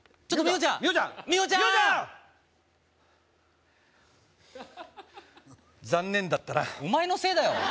ちゃーん残念だったなお前のせいだよ